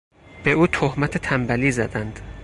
به او تهمت تنبلی زدند.